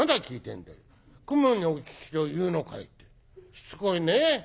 しつこいね。